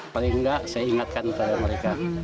paling enggak saya ingatkan kepada mereka